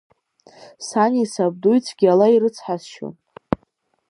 Сани сабдуи цәгьала ирыцҳасшьон.